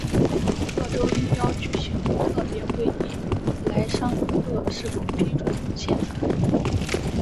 各州应邀举行特别会议来商榷是否批准宪法。